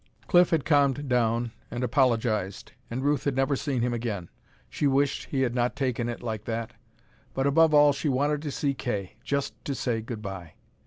Cliff had calmed down and apologized, and Ruth had never seen him again. She wished he had not taken it like that. But above all she wanted to see Kay, just to say good by.